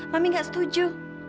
mami nggak setuju